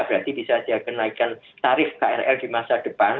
berarti bisa saja kenaikan tarif krl di masa depan